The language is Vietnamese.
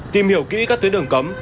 tìm hiểu kỹ các tuyến đường cấm